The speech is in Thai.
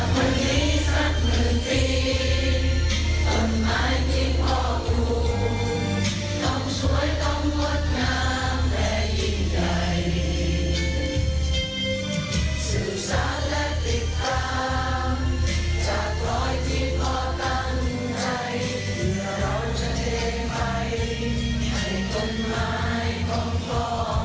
เผื่อเราจะเทไปให้ต้นไม้ของพ่อยังหมดหนา